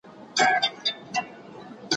په ښاديو نعمتونو يې زړه ښاد وو